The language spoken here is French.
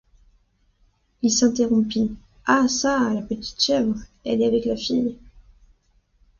Il s’interrompit: — Ah çà! la petite chèvre est-elle avec la fille?